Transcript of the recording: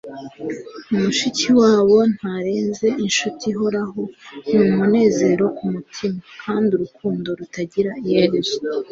mushikiwabo ntarenze inshuti ihoraho. ni umunezero ku mutima, kandi urukundo rutagira iherezo